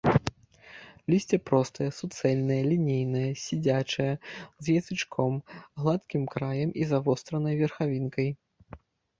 Лісце простае, суцэльнае, лінейнае, сядзячае, з язычком, гладкім краем і завостранай верхавінкай.